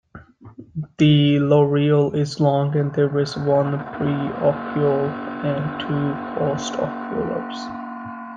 The loreal is long and there is one preocular and two postoculars.